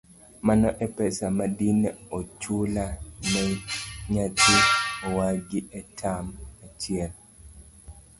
Mano e pesa madine ochula ne nyathi owagi e tam achiel.